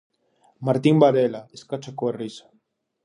Martín Varela escacha coa risa.